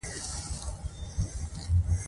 تربوز غټ او اوبه لرونکی دی